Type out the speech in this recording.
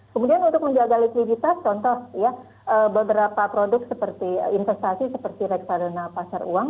kemudian untuk menjaga likuiditas contoh ya beberapa produk seperti investasi seperti reksadana pasar uang